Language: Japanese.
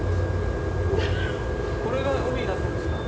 これが帯になってるんですか。